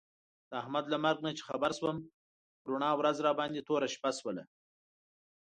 د احمد له مرګ نه چې خبر شوم، رڼا ورځ راباندې توره شپه شوله.